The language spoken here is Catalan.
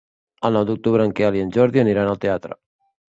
El nou d'octubre en Quel i en Jordi aniran al teatre.